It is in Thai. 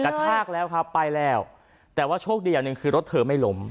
กระชากแล้วครับไปแล้วแต่ว่าโชคดีอย่างหนึ่งคือรถเธอไม่ล้ม